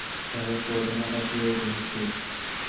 কিন্তু করবেনটা কী এই জিনিস দিয়ে?